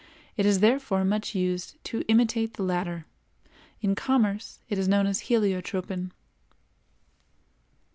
It is therefore much used to imitate the latter. In commerce it is known as heliotropin.